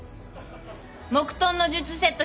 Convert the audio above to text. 木遁の術セット